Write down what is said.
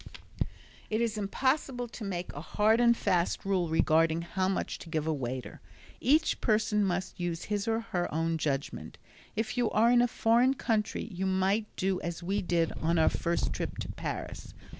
It is impossible to make a hard and fast rule regarding how much to give a waiter. Each person must use his or her own judgment. If you are in a foreign country you might do as we did on our first trip to Paris.